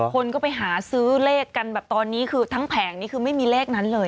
คนก็ไปหาซื้อเลขกันแบบตอนนี้คือทั้งแผงนี่คือไม่มีเลขนั้นเลย